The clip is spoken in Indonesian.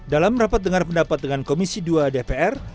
dalam rapat dengar pendapat dengan komisi dua dpr